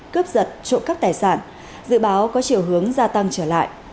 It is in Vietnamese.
cướp giật trộm cắp tài sản dự báo có chiều hướng gia tăng trở lại